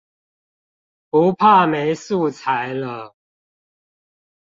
不怕沒素材了